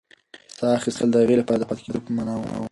ساه اخیستل د هغې لپاره د پاتې کېدو په مانا وه.